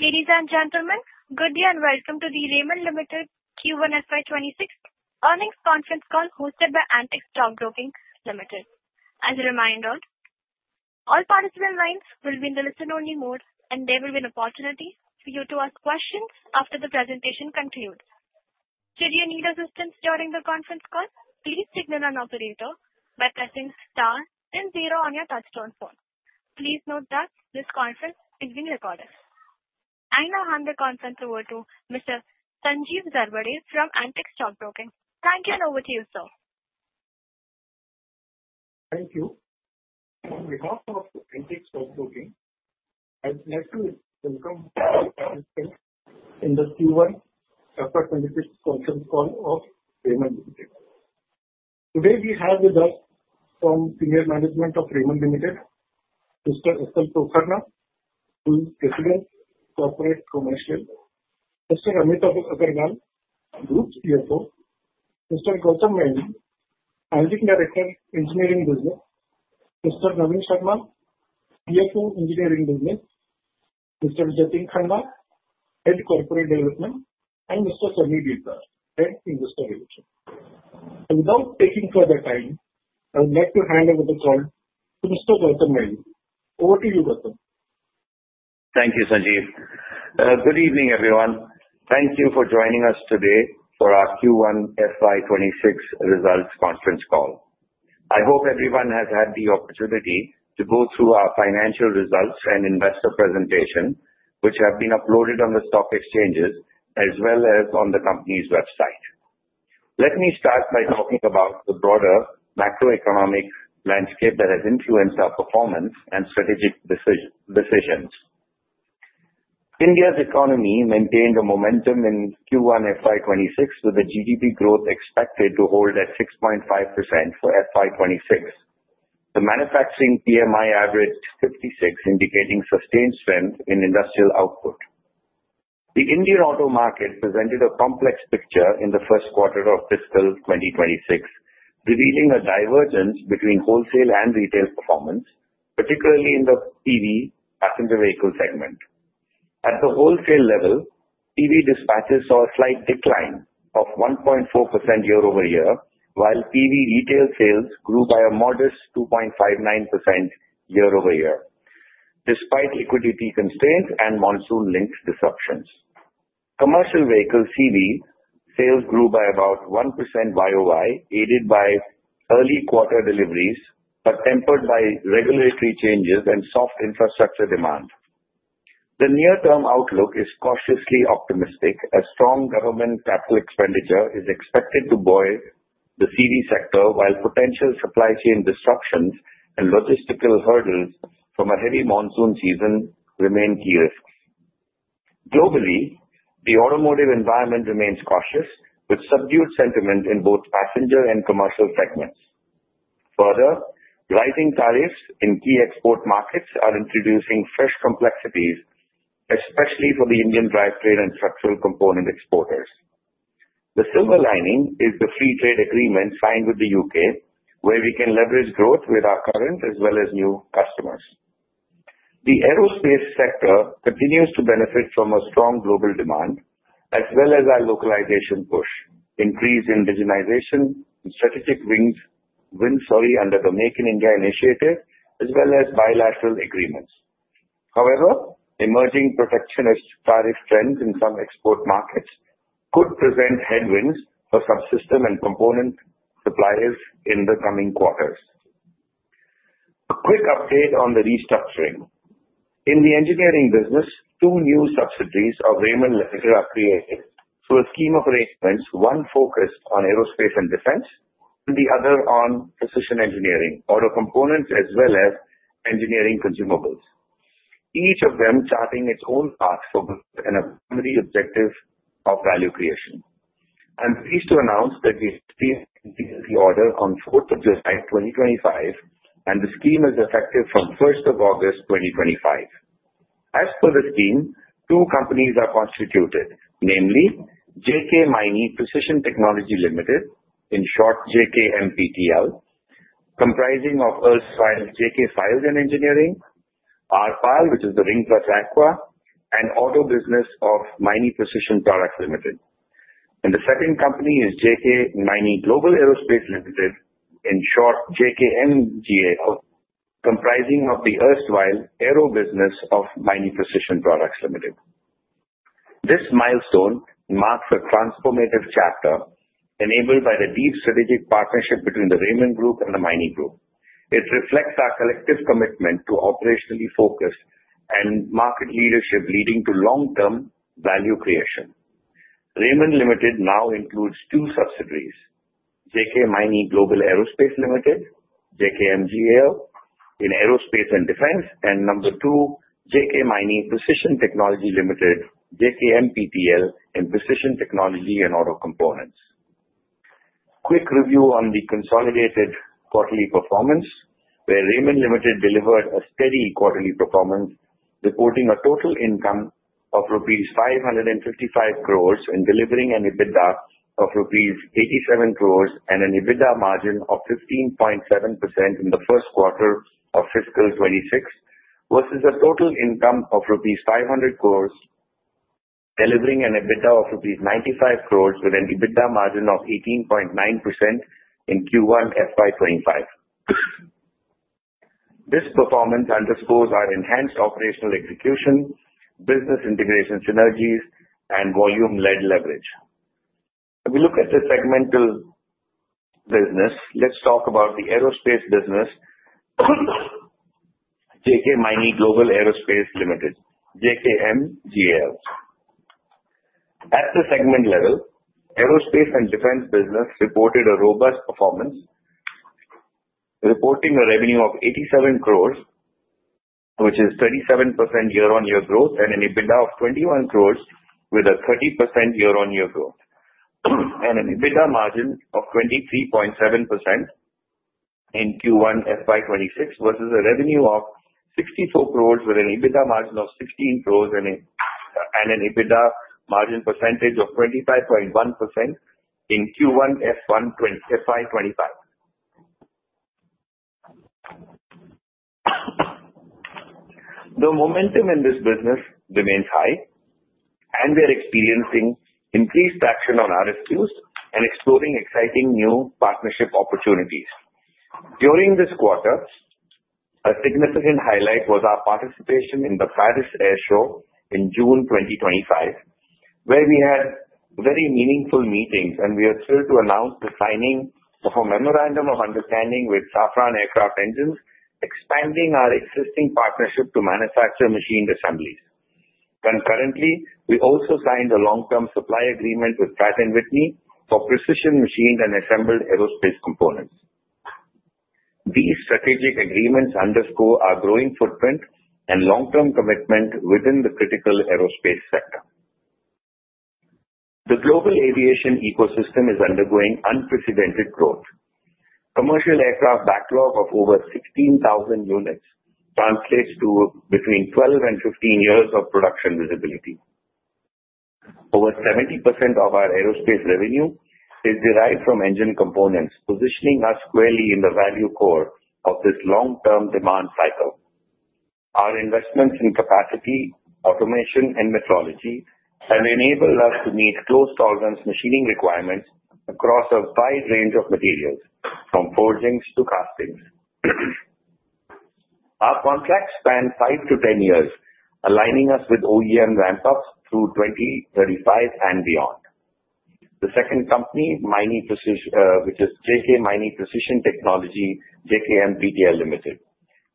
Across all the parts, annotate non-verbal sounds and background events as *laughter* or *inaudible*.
Ladies and gentlemen, good day and welcome to the Raymond Limited Q1 FY26 earnings conference call hosted by Antique Stock Broking. As a reminder, all participant lines will be in the listen only mode and there will be an opportunity for you to ask questions after the presentation concludes. Should you need assistance during the conference call, please signal an operator by pressing star and zero on your touch-tone phone. Please note that this conference is being recorded. I now hand the conference over to Mr. Sanjeev Zarbade from Antique Stock Broking. Thank you. Over to you, sir. Thank you on behalf of Antique Stock Broking and let's welcome in the Q1 2026 conference call of Raymond Limited. Today we have with us from Senior Management of Raymond Limited Mr. S.L. Pokharna, President Corporate Commercial. Mr. Amit Agarwal, Group CFO. Mr. Gautam Maini, MD of Engineering Group. Mr. Navin Sharma, CFO Engineering Business, Mr. Jatin Khanna, Head Corporate Development. And Mr. Sunny Desa, Head Investor Relations. Without taking further time, I would like to hand over the call to Mr. Gautam Maini. Over to you, Gautam. Thank you, Sanjeev. Good evening, everyone. Thank you for joining us today for our Q1 FY2026 results conference call. I hope everyone has had the opportunity to go through our financial results and investor presentation, which have been uploaded on the stock exchanges as well as on the company's website. Let me start by talking about the broader macroeconomic landscape that has influenced our performance and strategic decisions. India's economy maintained momentum in Q1 FY2026 with the GDP growth expected to hold at 6.5%. For FY2026, the manufacturing PMI averaged 56, indicating sustained strength in industrial output. The Indian auto market presented a complex picture in the first quarter of fiscal 2026, revealing a divergence between wholesale and retail performance, particularly in the PV passenger vehicle segment. At the wholesale level, PV dispatches saw a slight decline of 1.4% year over year, while PV retail sales grew by a modest 2.59% year over year. Despite liquidity constraints and monsoon-linked disruptions, commercial vehicle sales grew by about 1%, aided by early quarter deliveries but tempered by regulatory changes and soft infrastructure demand. The near-term outlook is cautiously optimistic as strong government capital expenditure is expected to buoy the CV sector. Potential supply chain disruptions and logistical hurdles from a heavy monsoon season remain key risks. Globally, the automotive environment remains cautious with subdued sentiment in both passenger and commercial segments. Further, rising tariffs in key export markets are introducing fresh complexities, especially for the Indian drivetrain and structural component exporters. The silver lining is the free trade agreement signed with the U.K., where we can leverage growth with our current as well as new customers. The aerospace sector continues to benefit from strong global demand as well as our localization push, increase in digitization, strategic wins, wins under the "Dominican India Initiative" as well as bilateral agreements. However, emerging protectionist trends in some export markets could present headwinds for subsystem and component suppliers in the coming quarters. Quick update on the restructuring in the Engineering business. Two new subsidiaries of Raymond Limited are created for a scheme of arrangements, one focused on aerospace and defense, the other on precision engineering, auto components, as well as engineering consumables, each of them charting its own path and a primary objective of value creation. I'm pleased to announce that we order on July 2025 and the scheme is effective from 1st of August 2025. As per the scheme, two companies are constituted, namely JK Maini Precision Technology Limited, in short JKM PTL, comprising of erstwhile JK Files and Engineering, which is the Ring Plus Aqua, and auto business of Maini Precision Products. The second company is JK Maini Global Aerospace Limited, in short JKM GAL, comprising of the erstwhile aero business of Maini Precision Products Limited. This milestone marks a transformative chapter enabled by the deep strategic partnership between the Raymond Group and the Maini Group. It reflects our collective commitment to operationally focused and market leadership leading to long-term value creation. Raymond Limited now includes two subsidiaries: JK Maini Global Aerospace Limited, JKM GAL, in Aerospace and Defense, and number two, JK Maini Precision Technology Limited, JKM PTL, in Precision Technology and Auto Components. Quick review on the consolidated quarterly performance, where Raymond Limited delivered a steady quarterly performance, reporting a total income of rupees 555 crores and delivering an EBITDA of rupees 87 crores and an EBITDA margin of 15.7% in the first quarter of fiscal 2026 versus a total income of rupees 500 crores, delivering an EBITDA of rupees 95 crores with an EBITDA margin of 18.9% in Q1 FY2025. This performance underscores our enhanced operational execution, business integration, synergies, and volume-led leverage. We look at the segmental business. Let's talk about the aerospace business. JK Maini Global Aerospace Limited, JKM GAL, at the segment level, aerospace and defense business reported a robust performance, reporting a revenue of 87 crores, which is 37% year-on-year growth, and an EBITDA of 21 crores with a 30% year-on-year growth and an EBITDA margin of 23.7% in Q1FY2026 versus a revenue of 64 crores with an EBITDA of 16 crores and an EBITDA margin percentage of 25.1% in Q1FY2025. The momentum in this business remains high and we are experiencing increased traction on RFQs and exploring exciting new partnership opportunities during this quarter. A significant highlight was our participation in the Paris Air Show in June 2025 where we had very meaningful meetings, and we are thrilled to announce the signing of a Memorandum of Understanding with Safran Aircraft Engines, expanding our existing partnership to manufacture machined assemblies. Concurrently, we also signed a long-term supply agreement with Pratt & Whitney for precision machined and assembled aerospace components. These strategic agreements underscore our growing footprint and long-term commitment within the critical aerospace sector. The global aviation ecosystem is undergoing unprecedented growth. Commercial aircraft backlog of over 16,000 units translates to between 12 and 15 years of production visibility. Over 70% of our aerospace revenue is derived from engine components, positioning us squarely in the value core of this long-term demand cycle. Our investments in capacity, automation, and methodology have enabled us to meet close tolerance machining requirements across a wide range of materials from forgings to castings. Our contracts span 5-10 years, aligning us with OEM ramp-ups to 2025 and beyond. The second company, Maini Precision, which is JK Maini Precision Technology Limited (JKM PTL),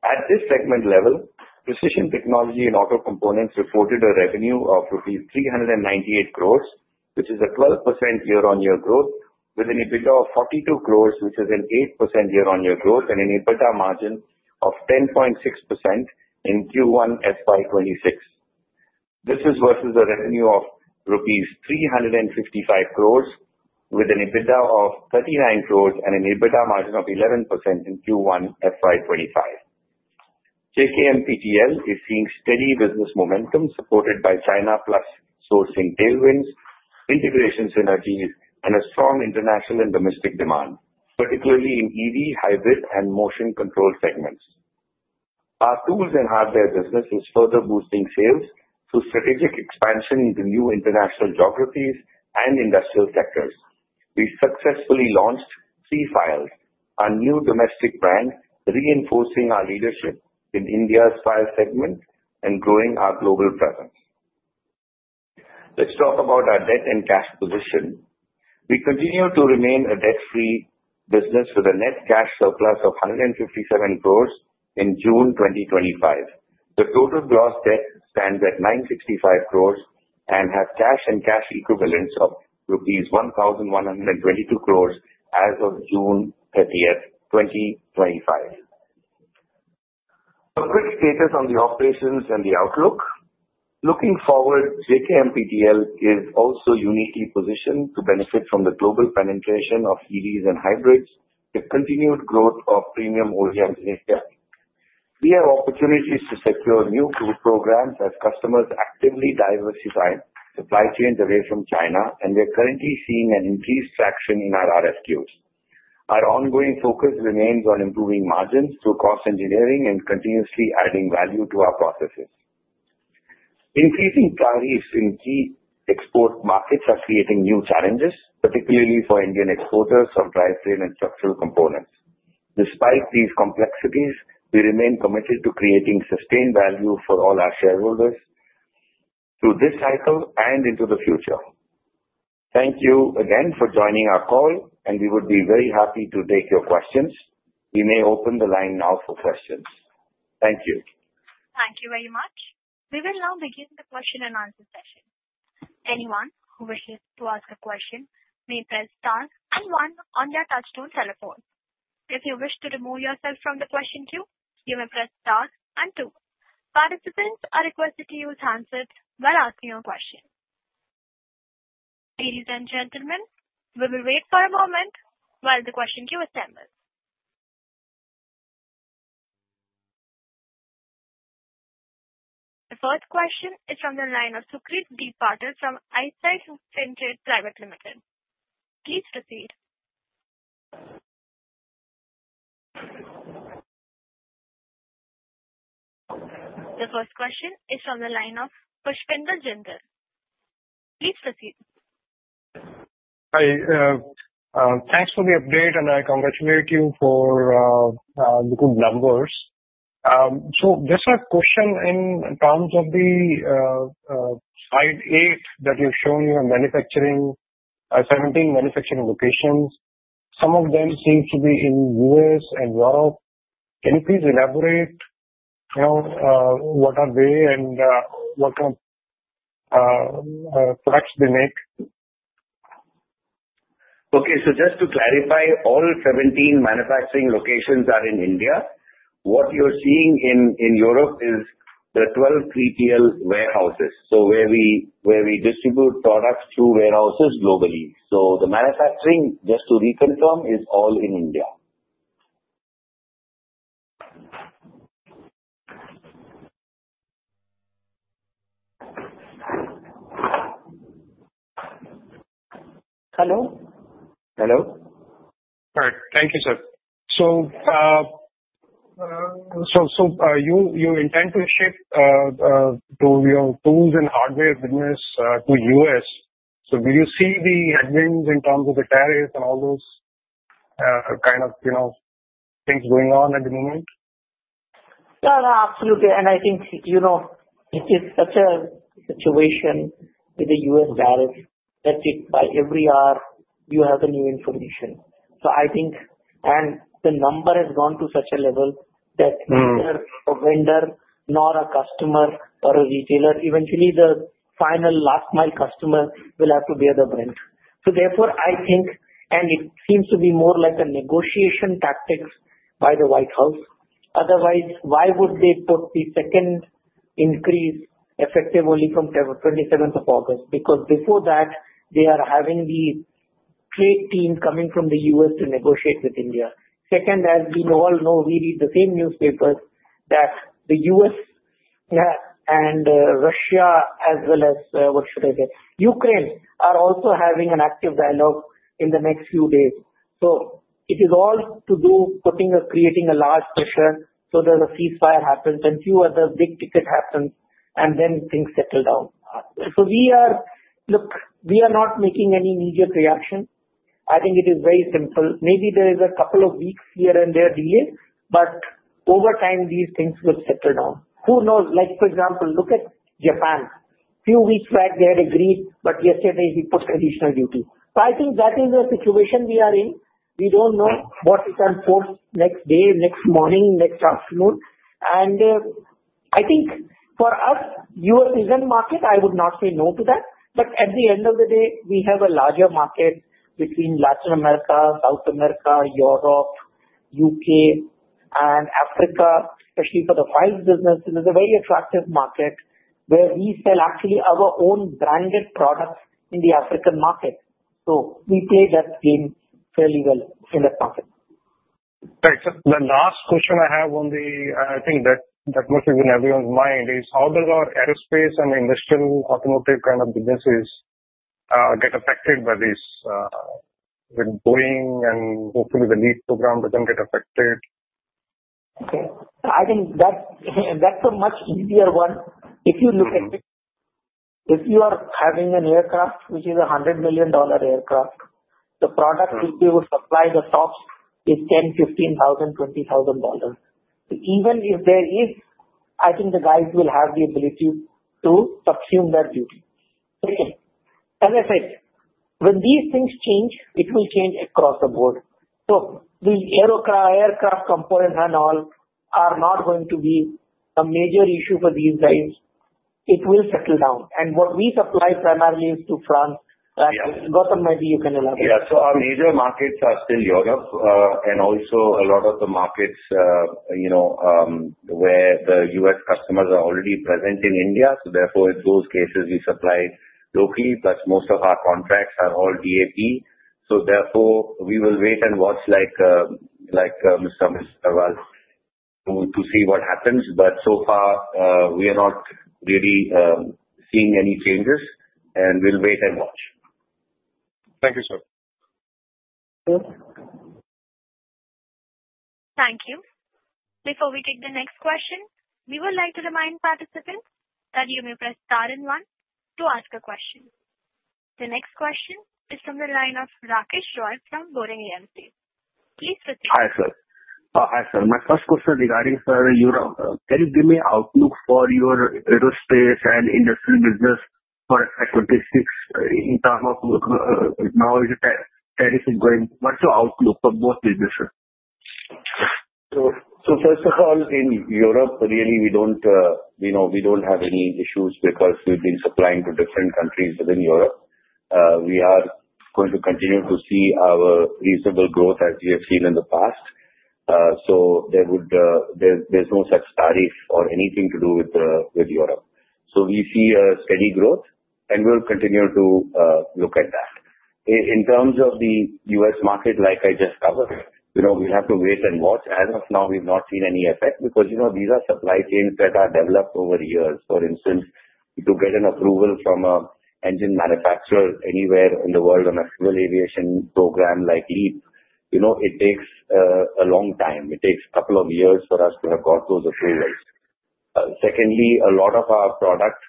at this segment level Precision Technology and Auto Components, reported a revenue of 398 crores, which is a 12% year-on-year growth, with an EBITDA of 42 crores, which is an 8% year-on-year growth, and an EBITDA margin of 10.6% in Q1FY2026. This is versus a revenue of rupees 355 crores with an EBITDA of 39 crores and an EBITDA margin of 11% in Q1FY2025. JKM GAL is seeing steady business momentum supported by China+1 sourcing tailwinds, integration synergies, and a strong international and domestic demand, particularly in EV/hybrid and motion control segments. Our tools and hardware business is further boosting sales through strategic expansion into new international geographies and industrial sectors. We successfully launched Three Files, our new domestic brand, reinforcing our leadership in India's file segment and growing our global presence. Let's talk about our debt and cash position. We continue to remain a debt-free business with a net cash surplus of 157 crores in June 2025. The total gross debt stands at 965 crores and we have cash and cash equivalents of INR 122 crores as of June 30th, 2025. A quick status on the operations and. The outlook looking forward. PTL is also uniquely positioned to benefit from the global penetration of EV/hybrid. The continued growth of premium origin is there. We have opportunities to secure new crude programs as customers actively diversify supply chain away from China, and we're currently seeing an increased traction in our RFQs. Our ongoing focus remains on improving margins through cost engineering and continuously adding value to our processes. Increasing price in key export markets are creating new challenges, particularly for Indian exposures of dry sand and structural components. Despite these complexities, we remain committed to creating sustained value for all our shareholders through this cycle and into the future. Thank you again for joining our call, and we would be very happy to take your questions. We may open the line now for questions. Thank you. Thank you very much. We will now begin the question and answer session. Anyone who wishes to ask a question may press star and one on their touch-tone telephone. If you wish to remove yourself from the question queue, you may press star and two. Participants are requested to use handsets while asking a question. Ladies and gentlemen, we will wait for a moment while the question queue assembles. The first question is from the line of Sucrit. D. Patil from Eyesight Fintrade Private Limited. Please proceed. The first question is from the line of Pushpender Jindal. Please proceed. Hi, thanks for the update, and I congratulate you for good numbers. Just a question in terms of. The slide 8 that you've shown your manufacturing. 17 manufacturing locations, some of them seem to be in the U.S. and Europe. Can you please elaborate? You know, what are they and what kind of products they make? Okay, just to clarify, all 17 manufacturing locations are in India. What you're seeing in Europe is the 12 CPL warehouses, where we distribute products through warehouses globally. The manufacturing, just to reconfirm, is all in India. Hello? Hello? All right, thank you, sir. So. You intend to shift your tools and hardware business to the U.S. Do you see the headwinds in terms of the tariff and all those kind of things going on at the moment? Yeah, absolutely. I think if you see the situation with the U.S. dollars, by every hour you have new information. I think the number has gone to such a level that neither a vendor nor a customer or a retailer, eventually the final last mile customer, will have to bear the brunt. Therefore, I think it seems to be more like a negotiation tactic by the White House. Otherwise, why would they put the second increase effectively from the 27th of August? Before that, they are having the trade teams coming from the U.S. to negotiate with India. Second, as we all know, we read the same newspapers that the U.S. and Russia as well as, what should I say, Ukraine are also having an active dialogue in the next few days. It is all to do with creating a large pressure so that a ceasefire happens and a few other big things happen and then things settle down. We are not making any media creation. I think it is very simple. Maybe there is a couple of weeks here and there delay, but over time these things will settle down. Who knows. For example, look at Japan. A few weeks back they had agreed, but yesterday he put conditional duty. I think that is the situation we are in. We don't know what can happen next day, next morning, next afternoon. I think for us, EU region market, I would not say no to that. At the end of the day, we have a larger market between Latin America, South America, Europe, U.K., and Africa. Especially for the five business, it is a very attractive market where we sell actually our own branded products in the African market. We play that scheme fairly well in that market. The last question I have, I think that must be in everyone's mind, is how does our aerospace and industrial automotive kind of businesses get affected by this with Boeing, and hopefully the LEAP program doesn't get affected. Okay, I think that's a much easier one. If you look at, if you are having an aircraft which is a $100 million aircraft, the product which you supply the shops is $10,000, $15,000, $20,000. Even if there is, I think the guys will have the ability to subsume their duty when these things change, it will change across the board. The aircraft components and all are not going to be a major issue for these guys. It will settle down. What we supply primarily is to France. *crosstalk* Yeah. Our major markets are still Europe and also a lot of the markets where the US customers are already present in India. In those cases, we supply locally. Most of our contracts are all DAP. We will wait and watch, like Mr. To see what happens. So far, we are not really seeing any changes and we'll wait and watch. Thank you, sir. Thank you. Before we take the next question, we would like to remind participants that you may press star one to ask a question. The next question is from the line of Rakesh Roy from Boring AMC. Hi sir, my first question regarding sir, you know, can you give me outlook for your aerospace and industry business for acoustist terraces going what's your outlook for both this. First of all in Europe really we don't, we know we don't have any issues because we've been supplying to different countries within Europe. We are going to continue to see our reasonable growth as we have seen in the past. There's no such tariff or anything to do with Europe. We see a steady growth and we'll continue to look at that. In terms of the U.S. market like I just covered, we'll have to wait and watch. As of now we've not seen any effect because these are supply chains that are developed over here. For instance, to get an approval from an engine manufacturer anywhere in the world on a civil aviation program like LEAP, you know it takes a long time, it takes a couple of years for us to have got those approvals. Secondly, a lot of our products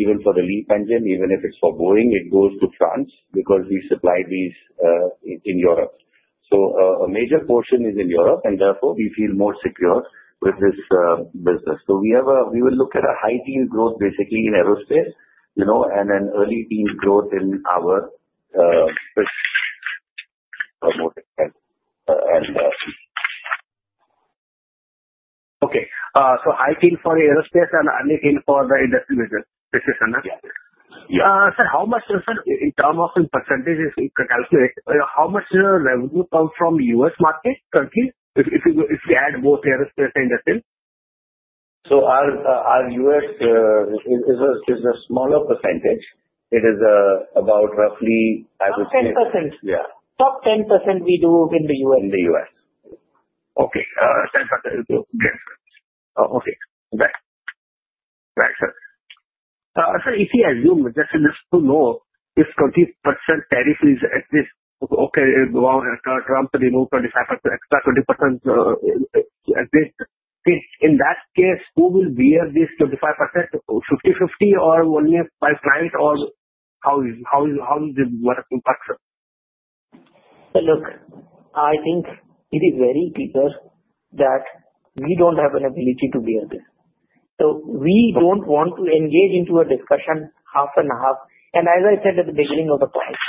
even for the LEAP engine, even if it's for Boeing, it goes to France because we supply these in Europe. A major portion is in Europe and therefore we feel more secure with this business. We will look at a high teen growth basically in aerospace, you know and an early teens growth in our. I think for aerospace and anything for the industry. *crosstalk* Yeah. Sir, how much in terms of percentages can you calculate how much revenue comes from the U.S. market currently if we add both here? Our U.S. is a smaller percentage. It is about roughly, I would say, 10%. Top 10% we do in the U.S. In the U.S. Okay. Okay sir, you see assume the is to know if 20% tariff is at this. Okay Trump remove 25% 20% at. least since in that case who will. Be at this 25%? 50-50 or one year by client or how is. How is this. Look, I think it is very clear that we don't have an ability to bear this. We don't want to engage into a discussion half and half, and as I said at the beginning, the price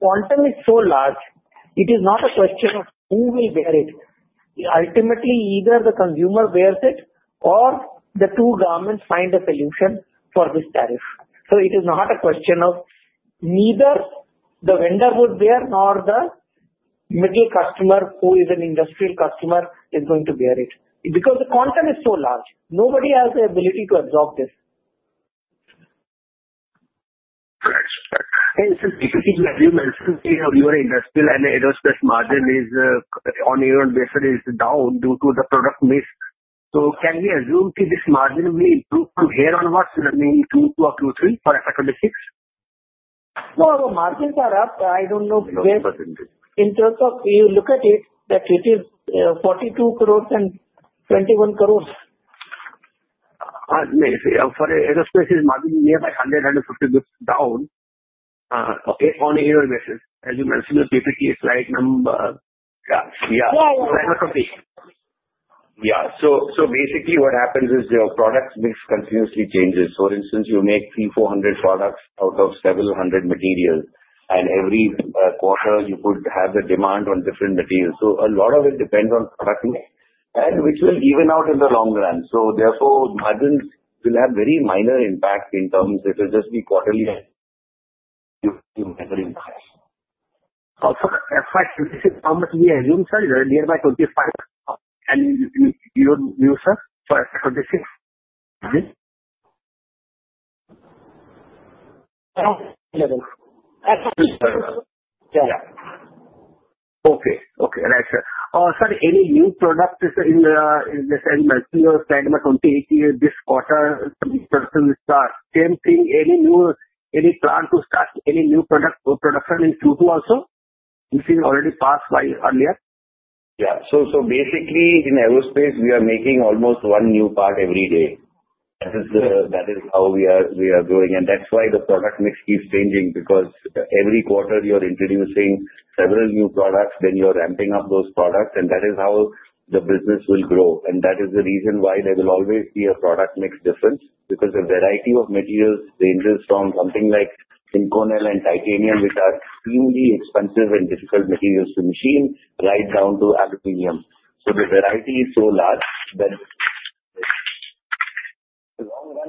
quantum is so large it is not a question of any bearing. Ultimately, either the consumer wears it or the two governments find a solution for this tariff. It is not a question of neither the vendor would bear nor the middle customer who is an industrial customer is going to be at risk because the content is so large, nobody has the ability to absorb this. Your industrial and aerospace margin is on your basis is down due to the product miss. Can we assume this margin will improve from here onwards? 2 or 2, 3, 6. No, margins are up. I don't know. In terms of you look at it, tax, it is 42 crore and 21 crores for margin nearby. 150 down on year basis. As you mentioned, basically it's right number. Yeah. So. What happens is your product mix continuously changes. For instance, you make 3-400 products out of several hundred materials, and every quarter you could have the demand on different materials. A lot of it depends on product and which will even out in the long run. Therefore, margins will have very minor impact. In terms it will just be quarterly. How much we assume, sir, nearby 25. You don't use, sir. This is okay. Okay. Right, sir. Sorry, any new product is in the *audio distortion* this quarter? Same thing. Any new? Any plan to start any new product? Production in. *audio distortion* This is already passed by earlier. Yeah. Basically, in aerospace we are making almost one new part every day. That is how we are growing. That's why the product mix keeps changing, because every quarter you are introducing several new products, then you're ramping up those products, and that is how the business will grow. That is the reason why there will always be a product mix difference, because a variety of materials ranges from something like Inconel and titanium, which are really expensive and difficult materials to machine, right down to aluminum, because the variety is so large that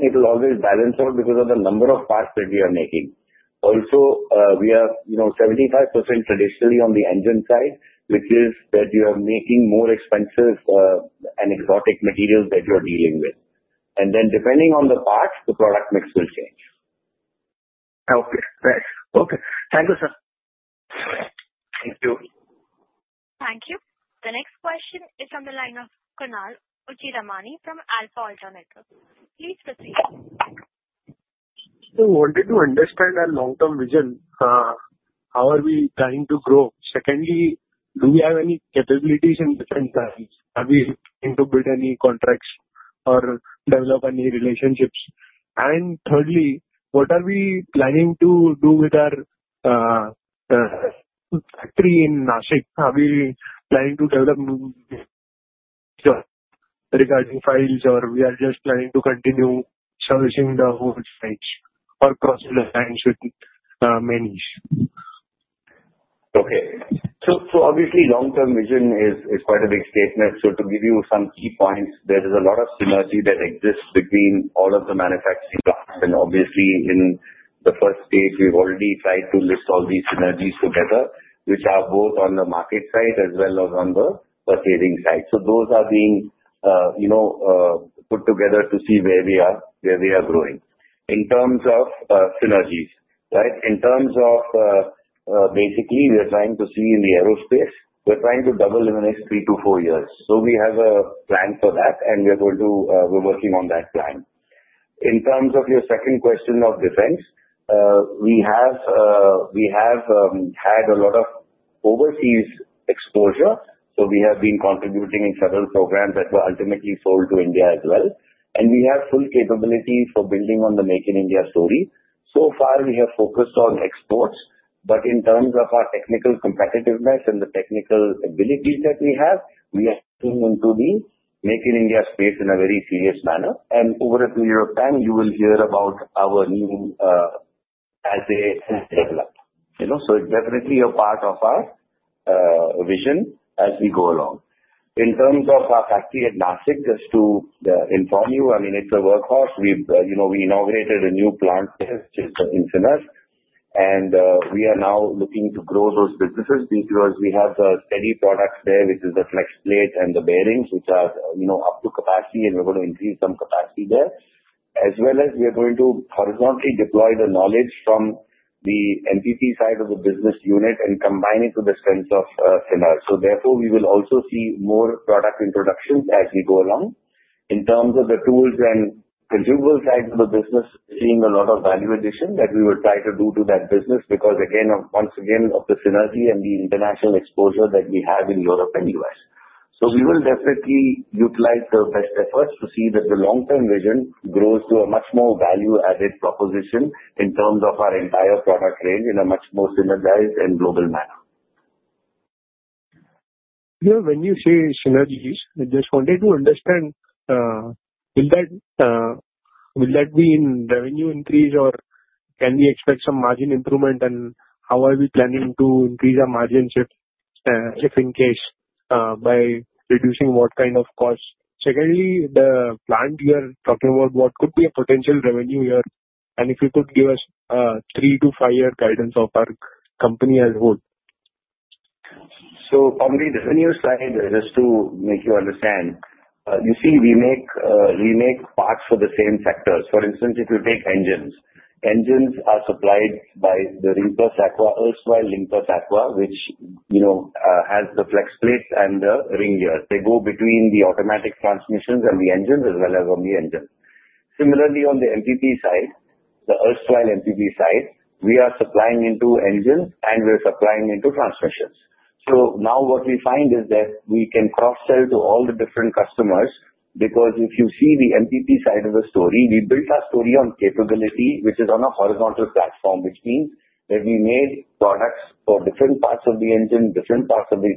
it will always balance out because of the number of parts that we are making. Also, we are, you know, 75% traditionally on the engine side, which is that you are making more expensive and exotic materials that you're dealing with, and then depending on the parts, the product mix will change. Okay, nice. Okay. Thank you, sir. Thank you. Thank you. The next question is on the line of Kunal Ochiramani from Alpha Alternatives. Please proceed. I wanted to understand our long term vision. How are we trying to grow? Secondly, do we have any capabilities in different times? Are we into bid any contracts or develop any relationships? Thirdly, what are we planning to do with our. Factory in Nashik? Are we planning to develop. *audio distortion* Regarding Files, we are just planning to continue servicing the whole sites or crossing the lines with many. Obviously, long term vision is quite a big statement. To give you some key points, there is a lot of synergy that exists between all of the manufacturing. In the first stage, we've already tried to list all these synergies together, which are both on the market side as well as on the trading side. Those are being put together to see where we are, where we are growing in terms of synergies. In terms of basically, we are trying to see in the aerospace, we're trying to double in the next three to four years. We have a plan for that and we are going to, we're working on that plan. In terms of your second question of defense, we have had a lot of overseas exposure. We have been contributing in several programs that were ultimately sold to India as well. We have full capability for building on the Make in India story. So far, we have focused on exports. In terms of our technical competitiveness and the technical abilities that we have, we are into the nature India space in a very serious manner. Over a period of time, you will hear about our new SAS develop. It's definitely a part of our vision as we go along. In terms of our factory at Nashik, just to inform you, I mean it's a workhorse. We inaugurated a new plant there, which is in cinema, and we are now looking to grow those businesses because we have steady products there, which is the flex plate and the bearings, which are up to capacity, and we're going to increase some capacity there as well as we are going to horizontally deploy the knowledge from the Maini Precision Products side of the business unit and combine it with the strength of Synar. Therefore, we will also see more product introduction as we go along. In terms of the tools and consumable side of the business, seeing a lot of value addition that we will try to do to that business because, once again, of the synergy and the international exposure that we have in Europe and U.S. We will definitely utilize the best efforts to see that the long term vision grows to a much more value added proposition in terms of our entire product range in a much more synergized and global manner. Yeah, when you say synergies I just. Wanted to understand. Will that be in revenue increase, or can we expect some? Margin improvement and how are we planning. To increase our margin shift if in case by reducing what kind of costs. Secondly, the plant you are talking about, what could be a potential revenue here and if you could give us three to five year guidance of our company as well. On the revenue side, just to make you understand, you see, we make, we make parts for the same sectors. For instance, if you take engines, engines are supplied by the Ring Plus Aqua erstwhile Linkaqua, which you know has the flex plate and the range they go between the automatic transmissions and the engines as well as on the engine. Similarly, on the MPP side, the erstwhile MPP side, we are supplying into engine and we're supplying into transmissions. Now what we find is that we can cross sell to all the different customers because if you see the MPP side of the story, we built our story on capability, which is on a horizontal platform, which means that we made products for different parts of the engine, different parts of the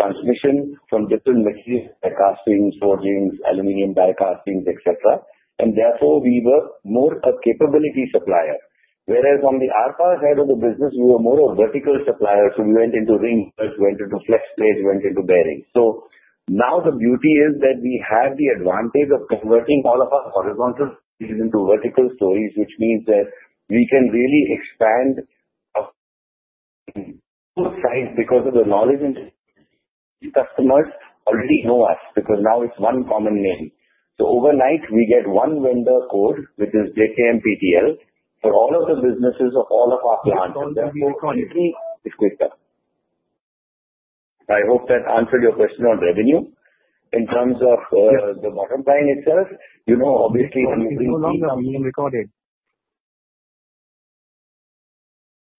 transmission from different material, casting, forgings, aluminum die castings, etc., and therefore we were more a capability supplier, whereas on the ARPA side of the business, we were more of vertical suppliers. We went into ring, went into flex plate, went into bearings. The beauty is that we have the advantage of converting all of our horizons into vertical stories, which means that we can really expand size because of the knowledge customers already know us because now it's one common lay. Overnight we get one vendor code, which is JKM PTL, and all of the businesses of all of our content. I hope that answered your question on revenue. In terms of the bottom line itself, you know, obviously recorded.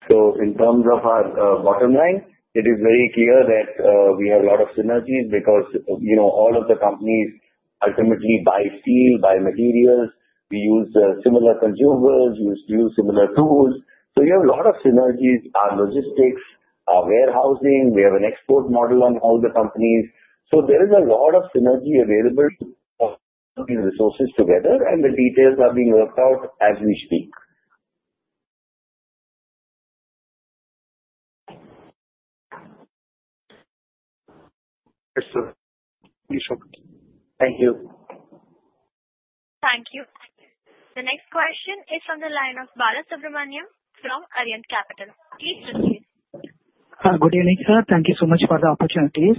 In terms of our bottom line, it is very clear that we have a lot of synergies because you know all of the companies ultimately buy steel, buy material, we use similar consumers, use similar tools. You have a lot of synergies in logistics, warehousing, we have an export model on all the companies. There is a lot of synergy available, resources together, and the details are being worked out as we speak. Yes sir. Thank you. Thank you. The next question is from the line of Balasubramanian from Arihant Capital. Good evening sir. Thank you so much for the opportunities.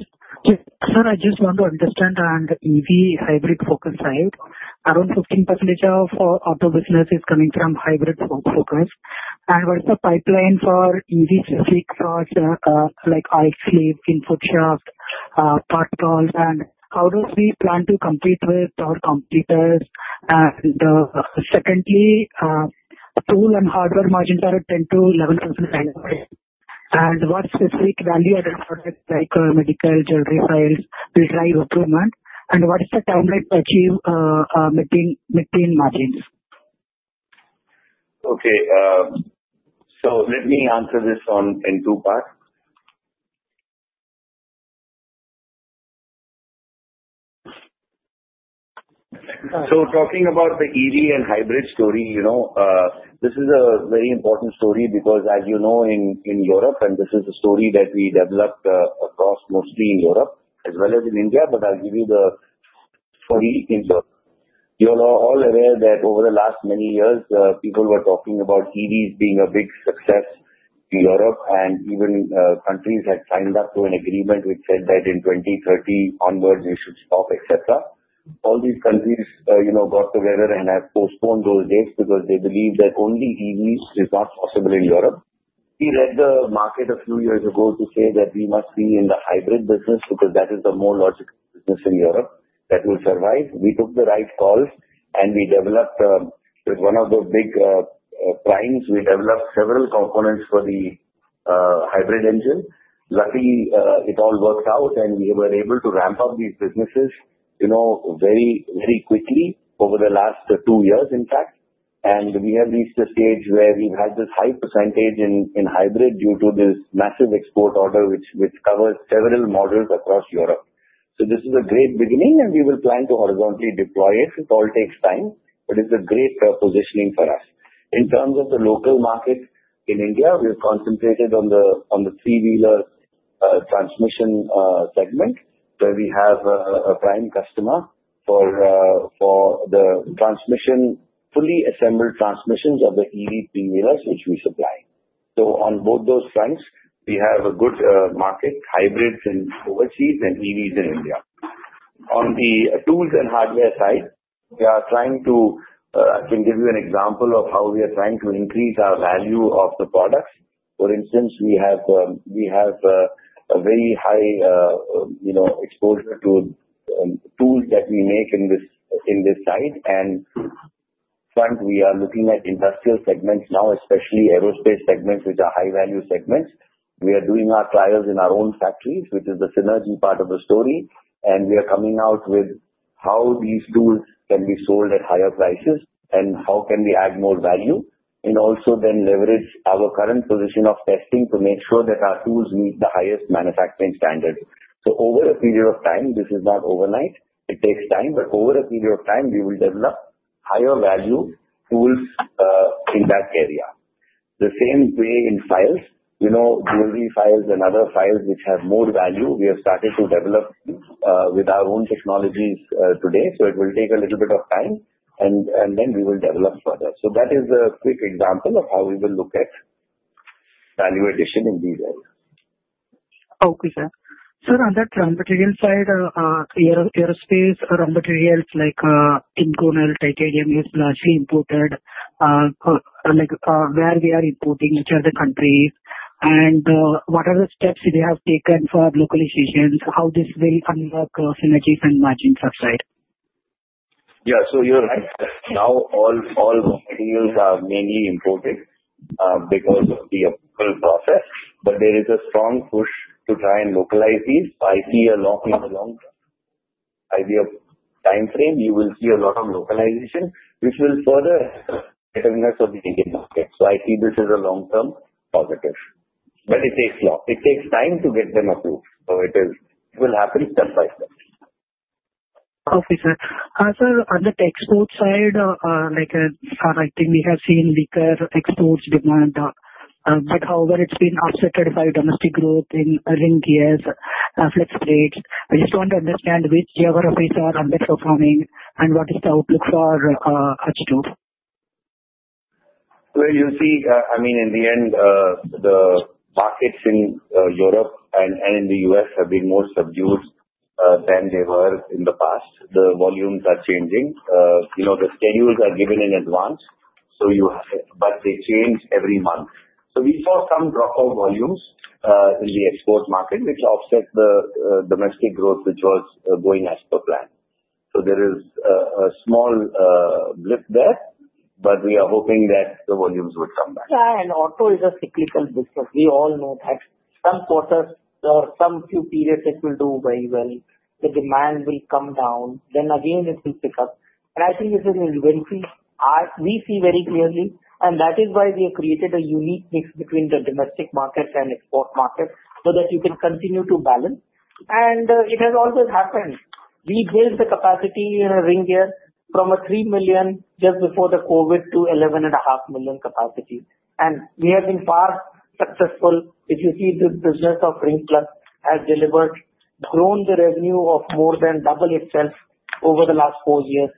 Sir, I just want to understand in EV/hybrid focus side around 15% of auto business is coming from hybrid focus. What's the pipeline for EV like I sleep info shop part call and how does we plan to compete with our competitors? Secondly, tool and hardware margins are 10,000 to 11,000 and what specific value added products like medical, jewelry, oils, dry upon and what is the timeline to achieve maintain margins? Okay, let me answer this in two parts. Talking about the EV/hybrid story, this is a very important story because, as you know, in Europe, and this is a story that we developed mostly in Europe as well as in India. You're all aware that over the last many years people were talking about EVs being a big success in Europe, and even countries had signed up to an agreement which said that in 2030 onwards you should stop, etc. All these countries got together and have postponed those dates because they believe that only EV is not possible in Europe. We read the market a few years ago to say that we must be in the hybrid business because that is the more logical business in Europe that will survive. We took the right call and we developed with one of the big primes, we developed several components for the hybrid engine. Luckily, it all worked out and we were able to ramp up these businesses very, very quickly over the last two years, in fact. We have reached a stage where we had this high percentage in hybrid due to this massive export order which covers several models across Europe. This is a great beginning and we will plan to horizontally deploy it. It all takes time, but it's a great positioning for us in terms of the local market. In India, we've concentrated on the three-wheeler transmission segment where we have a prime customer for the fully assembled transmissions of the EV mirrors which we supply. On both those fronts, we have a good market, hybrids and overseas and EVs in India. On the tools and hardware side, I can give you an example of how we are trying to increase our value of the products. For instance, we have a very high exposure to tools that we make on this side and we are looking at industrial segments now, especially aerospace segments which are high-value segments. We are doing our trials in our own factories, which is the synergy part of the story. We are coming out with how these tools can be sold at higher prices and how we can add more value and also then leverage our current position of testing to make sure that our tools meet the highest manufacturing standard. Over a period of time, this is not overnight, it takes time, but over a period of time we will develop higher value tools in that area. The same way in files, you know, delivery files and other files which have more value. We have started to develop with our own technologies today. It will take a little bit of time, and then we will develop further. That is a quick example of how we will look at value addition in detail. Okay, sir. On that material side, aerospace raw materials like imported, like where we are importing each other countries and what are the steps they have taken for localizations, how this very unlock colossal case and matching trucks. Right? Yeah. You're right now all fields are mainly in protein because of the full process. There is a strong push to try and localize these. I see a long idea time frame. You will see a lot of localization, which will further. I think this is a long-term positive. It takes time to get them approved. It will happen step by step. Okay, sir. On the export side, we have seen weaker exports demand, however, it's been offset by domestic growth in ring gears and flex plates. I just want to understand which geographies are underperforming and what is the outlook for H2. In the end, the markets in Europe and the U.S. have been more subdued than they were in the past. The volumes are changing. You know the schedules are given in advance, but they change every month. We saw some drop of volumes in the export market, which offset the domestic growth which was going as per plan. There is a small blip there. We are hoping that the volumes would come back. Auto is a cyclical business. We all know that some quarter or some few periods it will do very well. The demand will come down, then again it will pick up. I think we see very clearly. That is why we have created a unique mix between the domestic markets and export market so that you can continue to balance. It has always happened. We built the capacity in a ring gear from 3 million just before COVID to 11.5 million capacity. We have been far successful. If you see the business of Ring Plus, it has delivered, grown the revenue of more than double itself over the last four years,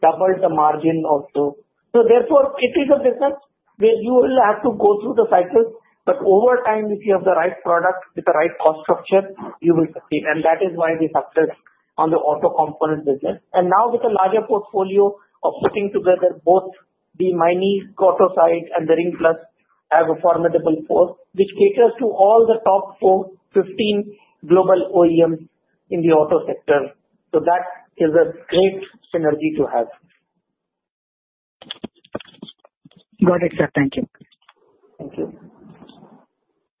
doubled the margin or so. Therefore, it is a business where you will have to go through the factors. Over time, if you have the right product with the right construction, you will succeed. That is why we focus on the auto component business. Now with a larger portfolio of putting together both the Maini Group side and the Ring Plus, we have a formidable portfolio which caters to all the top 15 global OEM in the auto sector. That is a great synergy to have. Got. Exactly. Thank you.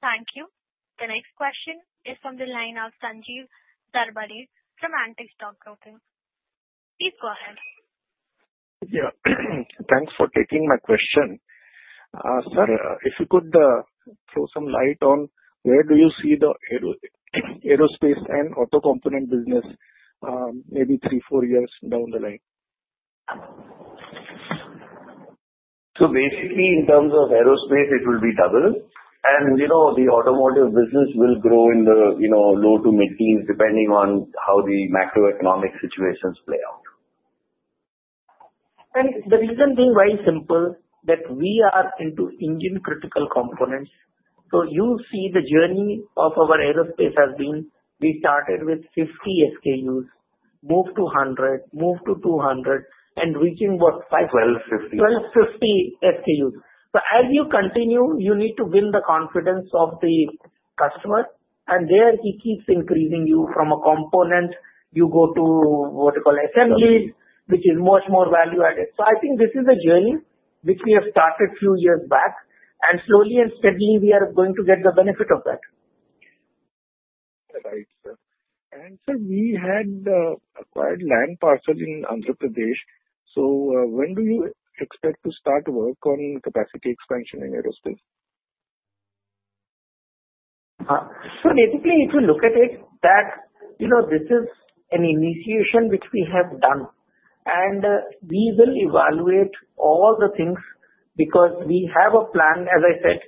Thank you. The next question is from the line of Sanjeev Zarbade from Antique Stock Broking. Please go ahead. Yeah, thanks for taking my question. Sir, if you could throw some light on where do you see the aerospace and auto component business maybe three, four years down the line. Basically, in terms of aerospace it will be double. You know the automotive business will grow in the, you know, low to mid teens depending on how the macroeconomic situations play out. The reason being very simple that we are into engine critical components. You see the journey of our aerospace has been we started with 50 SKUs, moved to 100, moved to 200 and reaching, what, 512, 550 SKUs. As you continue, you need to win the confidence of the customer. He keeps increasing you from a component, you go to what you call assembly, which is much more value added. I think this is a journey which we have started a few years back and slowly and steadily we are going to get the benefit of that. We had acquired land parcel in Andhra Pradesh. When do you expect to start work on capacity expansion in aerospace? If you look at it, this is an initiation which we have done and we will evaluate all the things because we have a plan. As I said,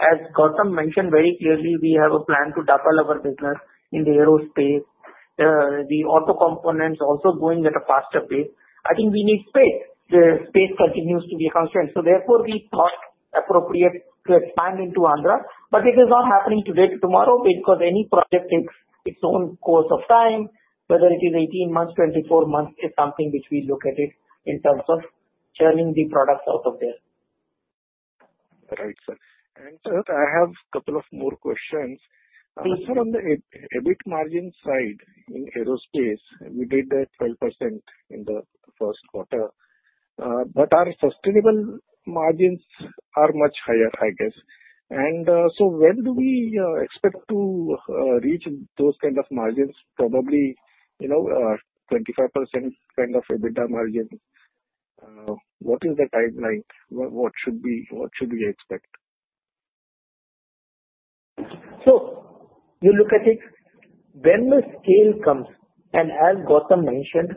as Gautam mentioned very clearly, we have a plan to double our business in the aerospace. The auto components also going at a faster pace. I think we need space. The space continues to be a constraint. Therefore, we thought it appropriate to expand into Andhra. It is not happening today or tomorrow because any project in its own course of time, whether it is 18 months or 24 months, is something which we look at in terms of sharing the products out of there. Right sir. I have a couple of more questions. On the EBIT margin side in aerospace, we did that 12% in the first quarter. Our sustainable margins are much higher I guess. When do we expect to. Reach those kind of margins? Probably, you know, 25% kind of EBITDA margin. What is the timeline, what should we expect? You look at it when the scale comes, and as Gautam mentioned,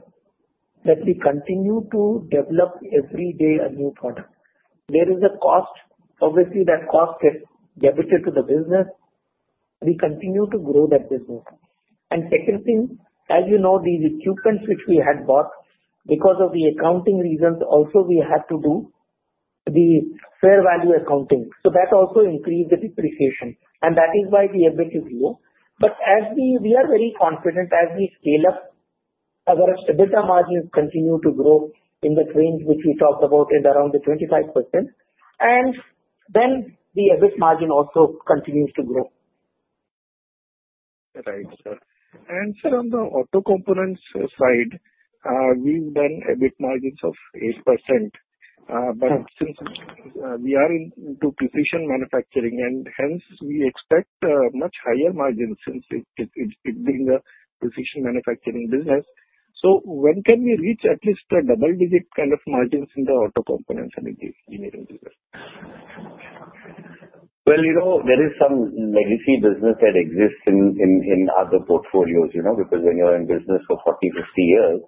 we continue to develop every day a new product. There is a cost; obviously, that cost deficit to the business. We continue to grow that business. The second thing, as you know, these equipments which we had bought, because of the accounting reasons, also we had to do the fair value accounting. That also increased the depreciation, and that is why we have this. We are very confident as we scale up, our EBITDA margins continue to grow in the trends which we talked about, in around the 25%. The EBIT margin also continues to grow. Right sir. On the auto components side we've done EBITDA margins of 8%. Since we are into precision manufacturing, we expect a much higher margin since it's been the precision manufacturing business. When can we reach at least. A double digit kind of margins in the auto components. There is some legacy business that exists in, in other portfolios, you know because when you're in business for 40, 50 years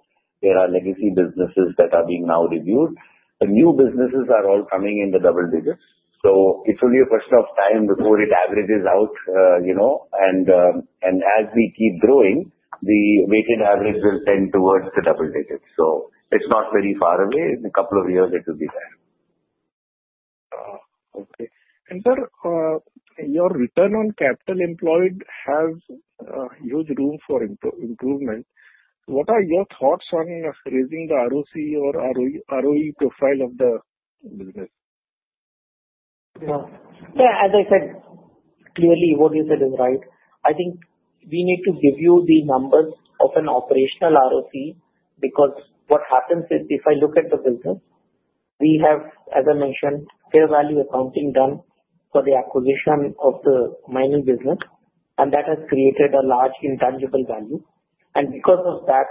there are legacy businesses that are being now reviewed. The new businesses are all coming in the double digit. It's only a question of time before it averages out, you know and, and as we keep growing the weighted average will tend towards the double digits. It's not very far away. In a couple of years it will be there. Okay, enter your return on capital employed. Have huge room for improvement. What are your thoughts on raising the ROCE or ROE profile of the business? Yeah, as I said, clearly what you said is right. I think we need to give you the numbers of an operational ROCE because what happens is if I look at the filter we have, as I mentioned, fair value accounting done for the acquisition of the Maini business and that has created a large intangible value, and because of that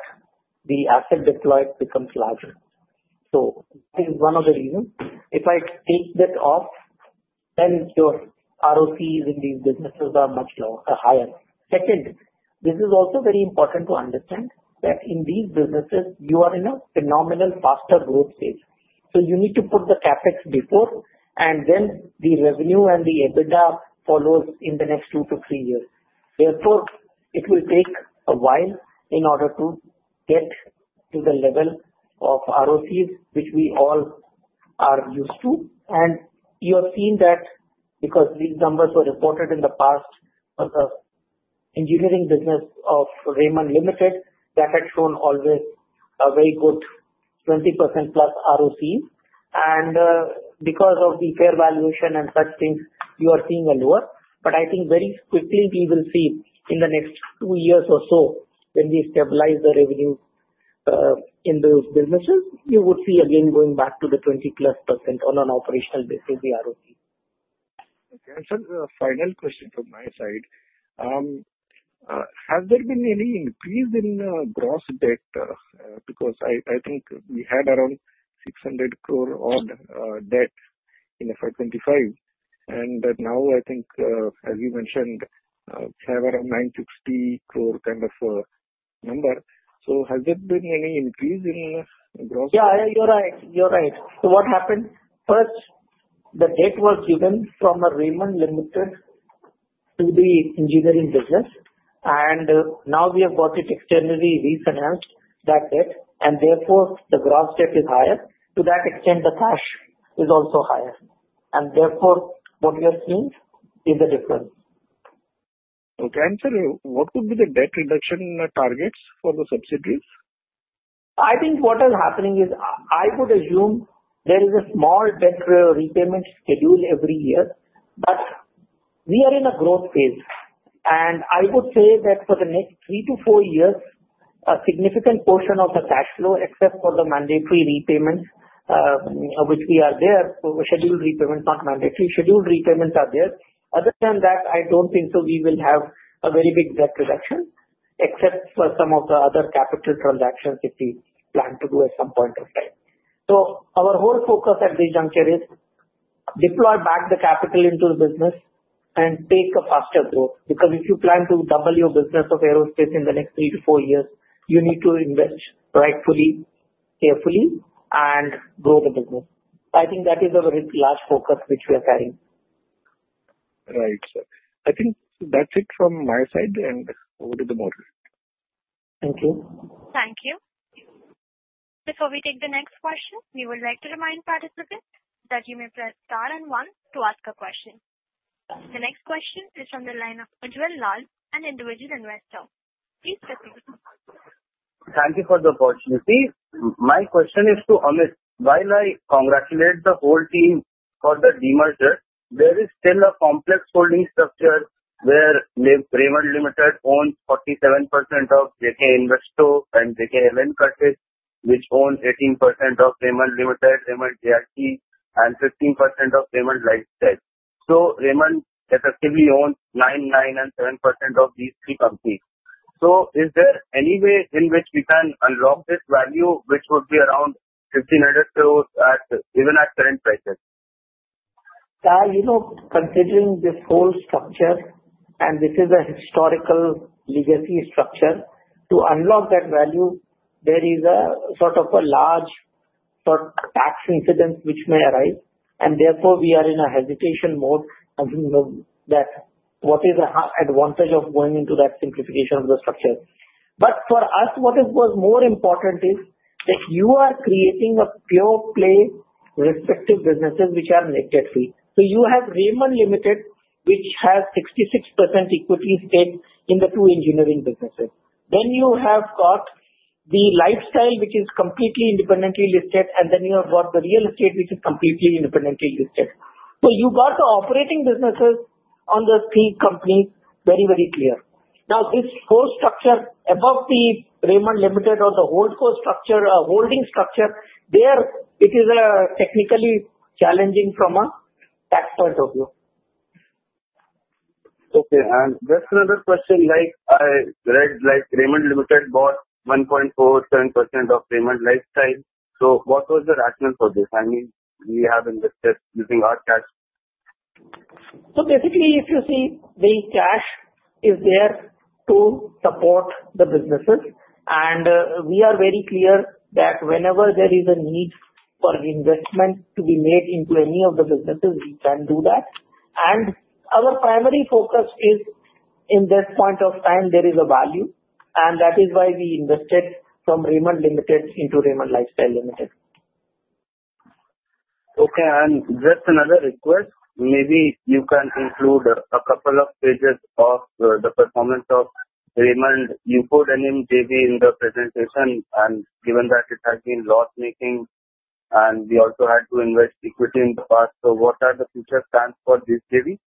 the asset deployed becomes larger. This is one of the reasons, if I take that off then your ROCEs in these businesses are much lower. Higher. Second, this is also very important to understand that in these businesses you are in a phenomenal faster growth phase. You need to put the CapEx before and then the revenue and the EBITDA follows in the next two to three years. Therefore, it will take a while in order to get to the level of ROCEs which we all are used to. You have seen that because these numbers were reported in the past Engineering business of Raymond Limited that had shown always a very good 20% plus ROCE. Because of the fair valuation and such things you are seeing a lower. I think very quickly we will see in the next two years or so when we stabilize the revenue in those businesses you would see again going back to the 20% plus on an operational basis. Okay, final question from my side. Has there been any increase in gross debt? Because I think we had around 600 crore odd debts in FY2025 and now I think as you mentioned have around 960 crore kind of number. Has there been any increase in? Yeah, you're right, you're right. What happened is first the debt was given from Raymond Limited to the engineering business, and now we have externally refinanced that debt. Therefore, the gross debt is higher to that extent, the cash is also higher, and therefore the means is different. Okay, sir, what would be the debt reduction targets for the subsidiaries? I think what is happening is, I would assume there is a small debt repayment schedule every year. We are in a growth phase and I would say that for the next three to four years a significant portion of the cash flow, except for the scheduled repayments, not mandatory scheduled repayments, are there. Other than that, I don't think so. We will have a very big debt reduction except for some of the other capital transactions if we plan to do. At some point of time. Our whole focus at Raymond here is deploy back the capital into the business and take a faster growth. Because if you plan to double your business of aerospace in the next three to four years, you need to invest rightfully, carefully, and grow the business. I think that is the last focus which we are carrying. Right sir? I think that's it from my side. Over to the model. Thank you. Thank you. Before we take the next question, we would like to remind participants that you may press star and one to ask a question. The next question is from the line of Ujjwal Lal, an individual investor, please. Thank you for the opportunity. My question is to Amit. While I congratulate the whole team for the demerger, there is still a complex holding structure where Raymond Limited owns 47% of JK Investo and they can even purchase, which owns 18% of Raymond Limited and 15% of Raymond Lifestyle Limited. Raymond effectively owns 9%, 9%, and 7% of these three companies. Is there any way in which we can unlock this value, which would be around 1,500 crore even at current prices? You know, considering this whole structure, and this is a historical legacy structure, to unlock that value there is a sort of a large tax incident which may arise, and therefore we are in a hesitation mode, and that is what is the advantage of going into that simplification of the structure. For us, what was more important is if you are creating pure play respective businesses which are debt-free at the net level. You have Raymond Limited, which has 66% equities in the two Engineering businesses. You have got the Lifestyle, which is completely independently listed, and you have got the Real Estate, which is completely independently listed. You have the operating businesses on the three companies. Very, very clear now, it's the whole structure above Raymond Limited, or the holdco structure, holding structure, there it is technically challenging from a tax point of view. Okay, and that's another question like I. Read like Raymond Limited bought 1.47% of Raymond Lifestyle. What was the rationale for this? I mean we have invested using our cash. Basically, if you see, the cash is there to support the businesses. We are very clear that whenever there is a need for investment to be made into any of the businesses, we can do that. Our primary focus is, at this point of time, there is a value. That is why we invested from Raymond Limited into Raymond Lifestyle Limited. Okay, that's another request. Maybe you can include a couple of pages of the performance of Raymond. You put any TV in the presentation. Given that it has been loss making and we also had to invest equity in the past, what are the future plans for this TV?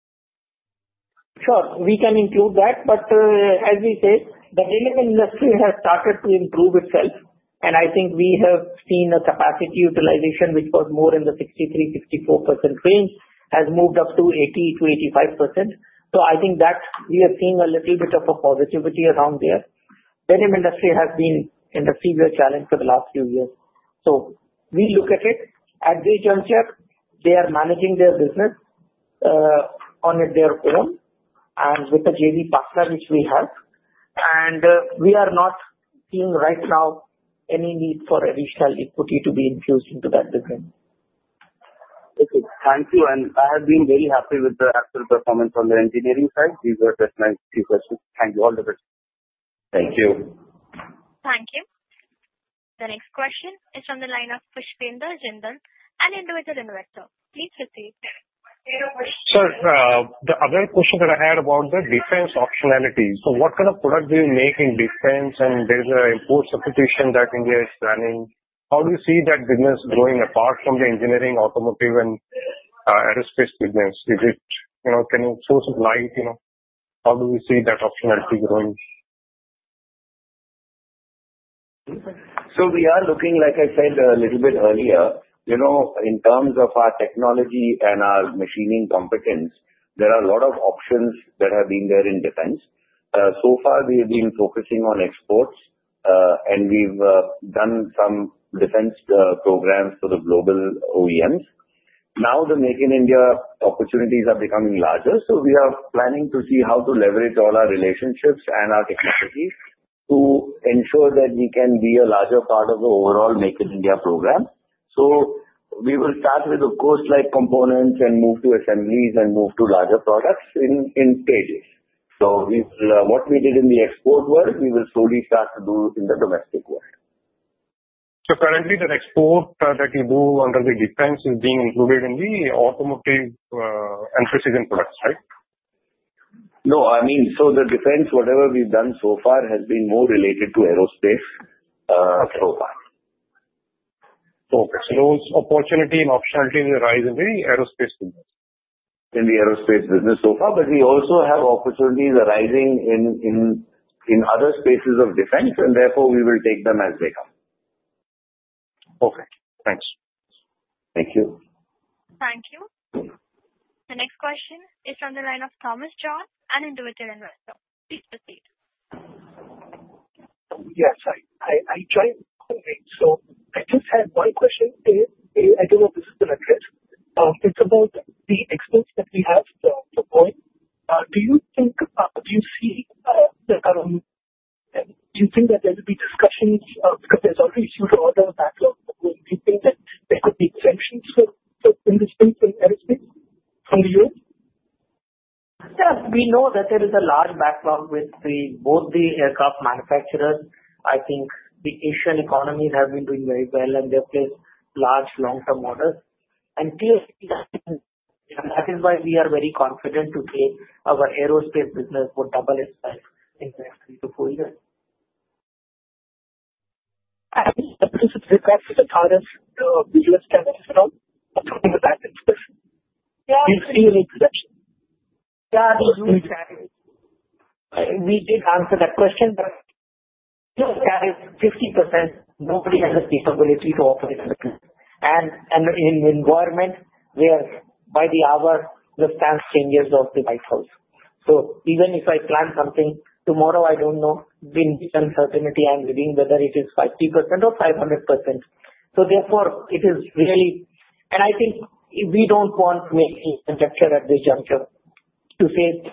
Sure, we can include that. As we say, the garmenting industry has started to improve itself and I think we have seen a capacity utilization which was more in the 63%-64% range has moved up to 80%-85%. I think that we are seeing a little bit of a positivity around there. Industry has been in a severe challenge for the last few years. We look at it at the junction. They are managing their business on their own and with the JV partner, which we have, and we are not seeing right now any need for additional equity to be infused into that. Okay, thank you. I have been very happy with the actual performance on the engineering side. These are just nice few questions. Thank you all. Thank you. Thank you. The next question is from the lineup. Pushpender Jindal and individual investor, please. The other question that I had about the defense optionality. What kind of product do you make in defense? There is an import substitution that India is running. How do you see that business growing apart from the engineering, automotive, and aerospace business? Can you shed some light? How do we see that opportunity growing? We are looking, like I said a little bit earlier, in terms of our technology and our machining competence, there are a lot of options that have been there in defense so far. We have been focusing on exports and we've done some defense programs for the global OEMs. Now the Make in India opportunities are becoming larger. We are planning to see how to leverage all our relationships and our technologies to ensure that we can be a larger part of the overall Make in India program. We will start with the core components and move to assemblies and move to larger products in phases. What we did in the export world, we will slowly start to do in the domestic world. Currently, that export that you do under the defense is being included in the automotive and precision products, right? No, the defense, whatever we've done so far has been more related to aerospace. Those opportunities and optionality will arise in the aerospace business so far. We also have opportunities arising in other spaces of defense and therefore we will take them as they come. Okay, thanks. Thank you. Thank you. The next question is from the line of Thomas John, an individual investor. Please proceed. Yes, I joined. I just had one question. I don't know. This is the address. It's about the exports that we have. Do you think, do you see, do you think that there will be? Discussions. There could be exceptions and the Europe. Yes, we know that there is a large backlog with both the aircraft manufacturer. I think the Asian economies have been doing very well and they play large long term models. That is why we are very confident to say our aerospace business will double its price in the next three to four years. We did answer that question. There is 50% nobody has a responsibility to operate and in environment where by the hour the stance changes of the White House. Even if I plan something tomorrow I don't know then uncertainty I'm reading whether it is 50% or 500%. Therefore it is really and I think we don't want to say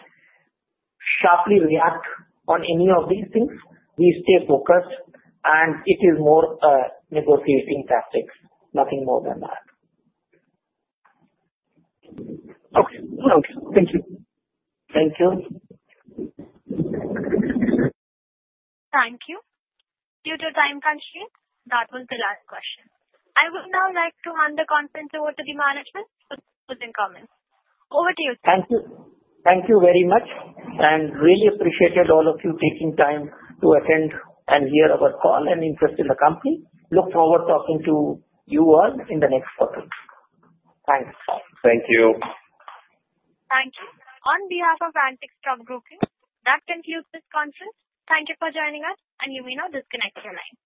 sharply react on any of these things. We stay focused and it is more negotiating tactics, nothing more than that. Thank you. Thank you. Thank you. Due to time constraint, that was the last question. I would now like to hand the conference over to the management. Over to you. Thank you. Thank you very much and really appreciate all of you taking time to attend and hear our call and interest in the company. Look forward to talking to you all in the next quarters. Thanks. Thank you. Thank you. On behalf of Antique Stock Broking, that concludes this conference. Thank you for joining us. You may now disconnect your line.